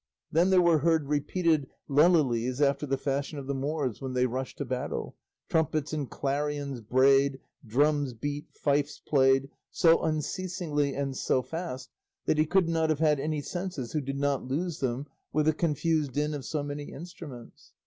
Then there were heard repeated lelilies after the fashion of the Moors when they rush to battle; trumpets and clarions brayed, drums beat, fifes played, so unceasingly and so fast that he could not have had any senses who did not lose them with the confused din of so many instruments.